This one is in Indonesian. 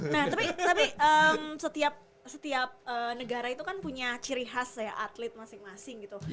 nah tapi setiap negara itu kan punya ciri khas ya atlet masing masing gitu